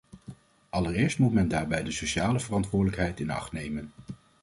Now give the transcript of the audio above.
Allereerst moet men daarbij de sociale verantwoordelijkheid in acht nemen.